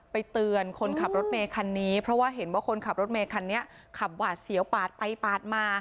เตือนคนขับรถเมย์คันนี้เพราะว่าเห็นว่าคนขับรถเมย์คันนี้ขับหวาดเสียวปาดไปปาดมา